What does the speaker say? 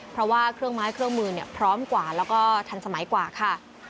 เพราะว่าเครื่องไม้เครื่องมือพร้อมกว่าแล้วก็ทันสมัยกว่าค่ะ